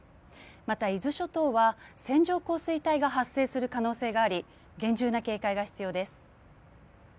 また、伊豆諸島は線状降水帯が発生する可能性があり厳重な警戒が必要です。